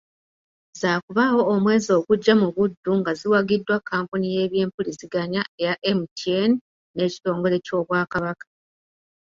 Zaakubaawo omwezi ogujja mu Buddu nga ziwagiddwa kkampuni y’ebyempuliziganya eya MTN n’ekitongole ky’Obwakabaka .